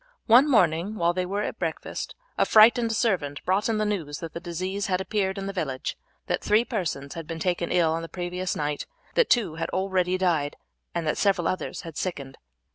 One morning when they were at breakfast a frightened servant brought in the news that the disease had appeared in the village, that three persons had been taken ill on the previous night, that two had already died, and that several others had sickened.